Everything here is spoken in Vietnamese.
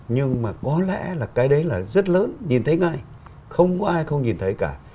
nhưng mà có lẽ là cái đấy là rất lớn nhìn thấy ngay không có ai không nhìn thấy cả